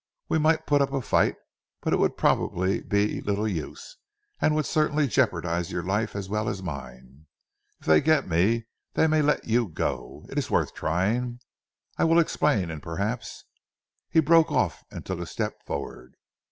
We might put up a fight, but it would probably be little use, and would certainly jeopardize your life as well as mine. If they get me, they may let you go. It is worth trying. I will explain and perhaps " He broke off and took a step forward.